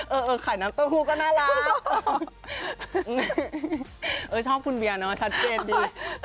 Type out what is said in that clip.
เออเออขายน้ำเต้าหู้ก็น่ารักนี่เออชอบคุณเบียร์เนาะชัดเจนดี